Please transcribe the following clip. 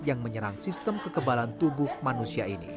yang menyerang sistem kekebalan tubuh manusia ini